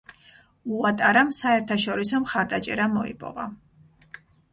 უატარამ საერთაშორისო მხარდაჭერა მოიპოვა.